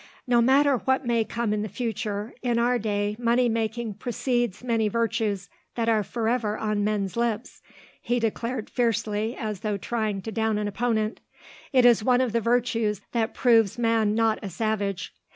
"No matter what may come in the future, in our day money making precedes many virtues that are forever on men's lips," he declared fiercely as though trying to down an opponent. "It is one of the virtues that proves man not a savage.